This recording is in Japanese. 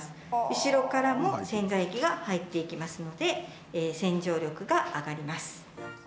後ろからも洗剤液が入っていきますので洗浄力が上がります。